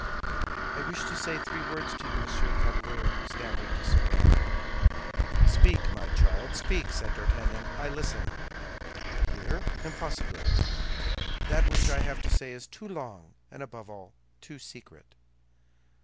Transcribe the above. "I wish to say three words to you, Monsieur Chevalier," stammered the soubrette. "Speak, my child, speak," said D'Artagnan; "I listen." "Here? Impossible! That which I have to say is too long, and above all, too secret."